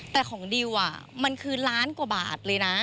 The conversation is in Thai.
แต่ของดิวมันคือล้านกว่าบาทเลยนะ